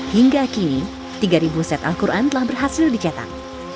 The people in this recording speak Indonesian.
hingga kini tiga set al quran telah berhasil dicetak